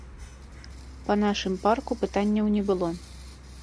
Па нашым парку пытанняў не было.